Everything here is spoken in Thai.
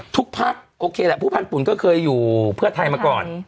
พักโอเคแหละผู้พันธุ่นก็เคยอยู่เพื่อไทยมาก่อน